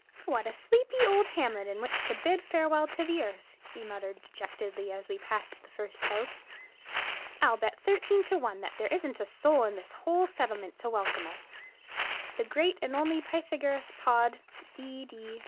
"What a sleepy old hamlet in which to bid farewell to earth!" he muttered dejectedly, as we passed the first house. "I'll bet 13 to 1 that there isn't a soul in the whole settlement to welcome us. The great and only Pythagoras Pod, D. D.